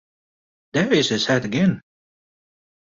There is his head again!